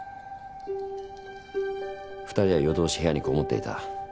２人は夜通し部屋に籠もっていた。